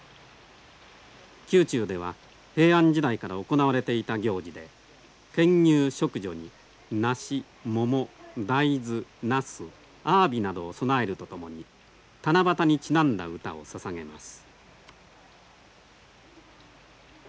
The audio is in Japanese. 宮中では平安時代から行われていた行事で牽牛織女に梨桃大豆なすあわびなどを供えるとともに七夕にちなんだ歌をささげます。